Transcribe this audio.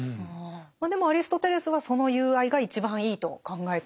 でもアリストテレスはその友愛が一番いいと考えてはいたんですもんね。